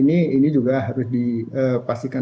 ini juga harus dipastikan